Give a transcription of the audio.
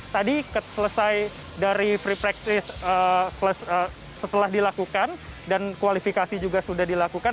tadi selesai dari free practice setelah dilakukan dan kualifikasi juga sudah dilakukan